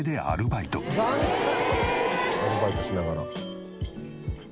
アルバイトしながら。